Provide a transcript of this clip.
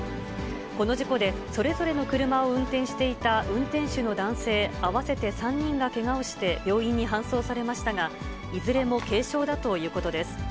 この事故で、それぞれの車を運転していた運転手の男性合わせて３人がけがをして病院に搬送されましたが、いずれも軽傷だということです。